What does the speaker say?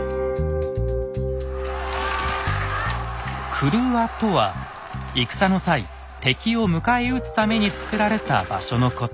「郭」とは戦の際敵を迎え撃つためにつくられた場所のこと。